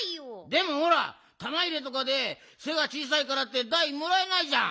でもほらたまいれとかでせがちいさいからってだいもらえないじゃん。